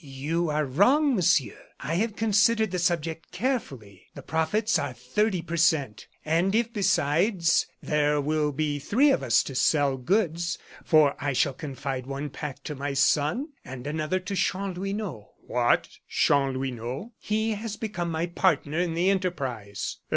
"You are wrong, Monsieur. I have considered the subject carefully; the profits are thirty per cent. And if besides, there will be three of us to sell goods, for I shall confide one pack to my son, and another to Chanlouineau." "What! Chanlouineau?" "He has become my partner in the enterprise."